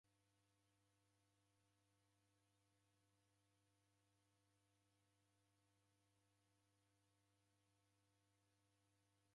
Menyeni mawiwi